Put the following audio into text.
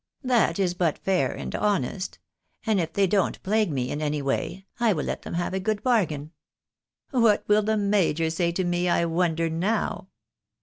That is but fair and honest. And if they don't plague me in any way I will let them have a good bargain. What will the major say to me, I wonder, now